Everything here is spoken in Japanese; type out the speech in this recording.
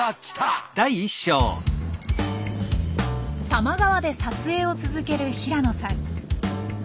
多摩川で撮影を続ける平野さん。